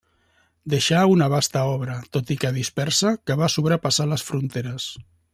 Deixà una vasta obra, tot i que dispersa, que va sobrepassar les fronteres.